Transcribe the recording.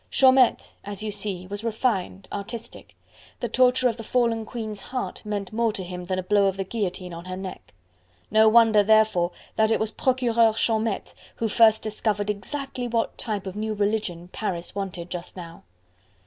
Chaumette, as you see, was refined, artistic; the torture of the fallen Queen's heart meant more to him than a blow of the guillotine on her neck. No wonder, therefore, that it was Procureur Chaumette who first discovered exactly what type of new religion Paris wanted just now.